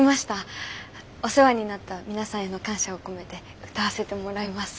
お世話になった皆さんへの感謝を込めて歌わせてもらいます。